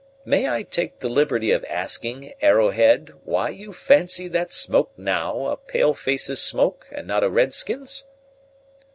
May I take the liberty of asking, Arrowhead, why you fancy that smoke, now, a pale face's smoke, and not a red skin's?"